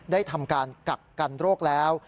ได้ทำการกักกันโรคแล้ว